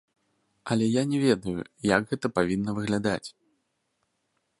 Але я не ведаю, як гэта павінна выглядаць.